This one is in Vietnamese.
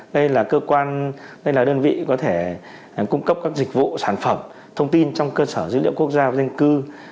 đây là đơn vị có thể cung cấp các dịch vụ sản phẩm thông tin trong cơ sở dữ liệu quốc gia về dân cư